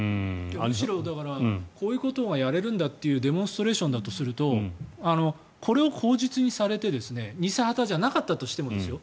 むしろこういうことがやれるんだっていうデモンストレーションだとするとこれを口実にされて偽旗じゃなかったとしてもですよ